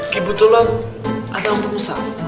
kebetulan ada ustaz musa